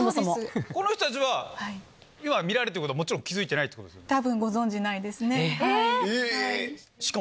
この人たちは、要は見られていること、もちろん気付いてないってことですか？